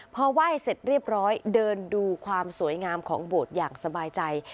พอไหว้เสร็จเรียบร้อยเดินดูความสวยงามของโบสถ์อย่างสบายใจ